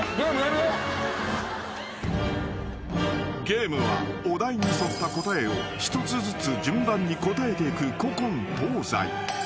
［ゲームはお題に沿った答えを一つずつ順番に答えていく古今東西］